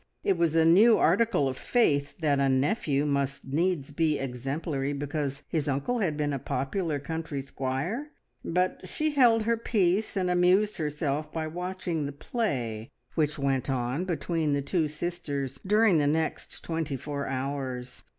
It was a new article of faith that a nephew must needs be exemplary because his uncle had been a popular country squire, but she held her peace and amused herself by watching the play which went on between the two sisters during the next twenty four hours.